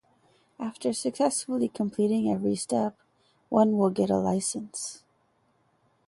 After successfully completing every step one will get license.